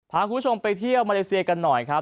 พาคุณผู้ชมไปเที่ยวมาเลเซียกันหน่อยครับ